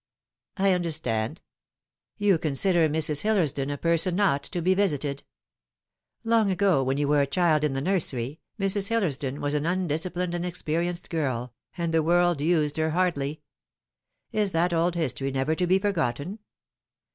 " I understand. You consider Mrs. Hillersdon a person not to be visited. Long ago, when you were a child in the nursery, Mrs. Hillersdon was an undisciplined inexperienced girl, and the world used her hardly. Is that old history never to be for gotten